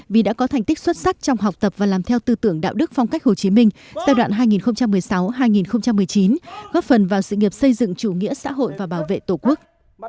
vì đã có thành tích xuất sắc trong học tập và làm theo tư tưởng đạo đức phong cách hồ chí minh giai đoạn hai nghìn một mươi sáu hai nghìn một mươi chín góp phần vào sự nghiệp xây dựng chủ nghĩa xã hội và bảo vệ tổ quốc